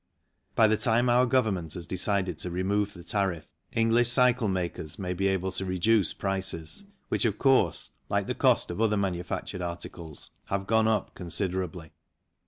By the time our Government has decided to remove the tariff, English cycle makers may be able to reduce prices which, of course, like the cost of other manufactured articles, have gone up considerably.